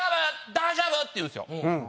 大丈夫？って言うんですよ。